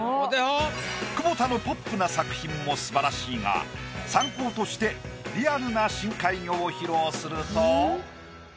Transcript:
久保田のポップな作品もすばらしいが参考としてリアルな深海魚を披露すると。